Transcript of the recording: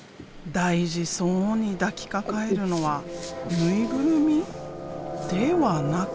大事そうに抱きかかえるのは縫いぐるみ？ではなく。